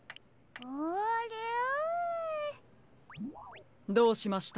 あれぇ？どうしました？